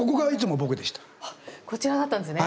こちらだったんですね。